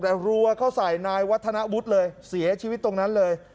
แต่รัวเข้าใส่นายวัฒนวุฒิเลยเสียชีวิตตรงนั้นเลย